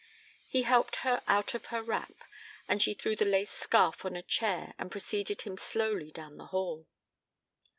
He helped her out of her wrap and she threw the lace scarf on a chair and preceded him slowly down the hall.